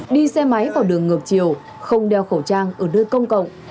đi xe máy vào đường ngược chiều không đeo khẩu trang ở nơi công cộng